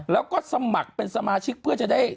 แล้วก็สมัครเป็นสมาชิกเพื่อจะได้